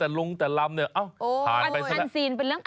อันซีนเป็นเรื่องอันซีนไง